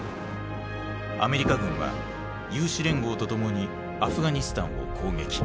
アメリカ軍は有志連合とともにアフガニスタンを攻撃。